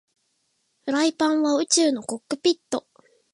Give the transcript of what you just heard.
フライパンは宇宙のコックピット